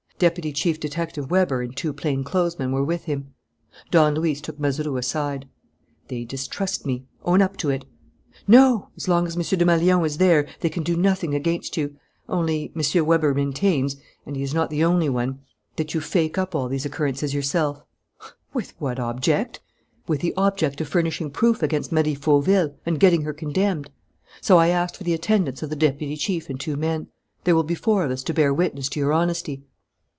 Deputy Chief Detective Weber and two plain clothesmen were with him. Don Luis took Mazeroux aside: "They distrust me. Own up to it." "No. As long as M. Desmalions is there, they can do nothing against you. Only, M. Weber maintains and he is not the only one that you fake up all these occurrences yourself." "With what object?" "With the object of furnishing proof against Marie Fauville and getting her condemned. So I asked for the attendance of the deputy chief and two men. There will be four of us to bear witness to your honesty."